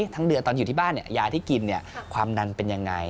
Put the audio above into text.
ตอนอยู่ที่บ้านยาที่กินความนั้นเป็นอย่างไร